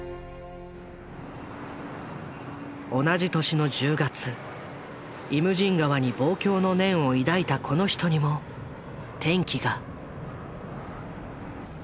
同じ年の１０月「イムジン河」に望郷の念を抱いたこの人にも転機が。